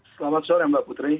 selamat sore mbak putri